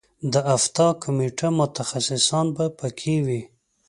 د افتا کمیټه متخصصان به په کې وي.